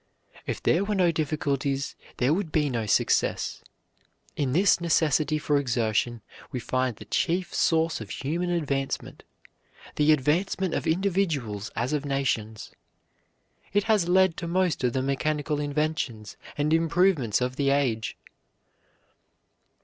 "If there were no difficulties there would be no success. In this necessity for exertion we find the chief source of human advancement, the advancement of individuals as of nations. It has led to most of the mechanical inventions and improvements of the age."